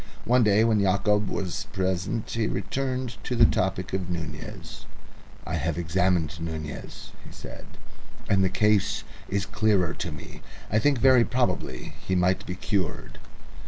One day when Yacob was present he returned to the topic of Nunez. "I have examined Bogota," he said, "and the case is clearer to me. I think very probably he might be cured."